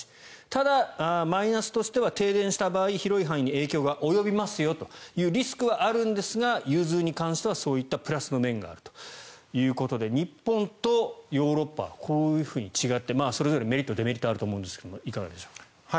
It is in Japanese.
ただ、マイナスとしては停電した場合広い範囲に影響が及びますよというリスクはあるんですが融通に関してはそういったプラスの面があるということで日本とヨーロッパはこういうふうに違ってそれぞれメリット、デメリットがあると思うんですがいかがでしょう。